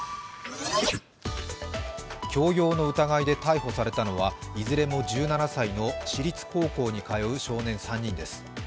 強要の疑いで逮捕されたのはいずれも１７歳の私立高校に通う少年３人です。